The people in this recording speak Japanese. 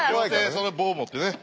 その棒持ってね。